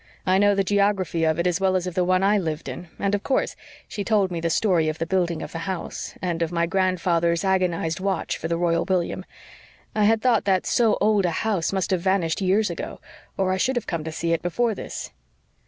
I know the geography of it as well as of the one I lived in, and, of course, she told me the story of the building of the house, and of my grandfather's agonised watch for the Royal William. I had thought that so old a house must have vanished years ago, or I should have come to see it before this."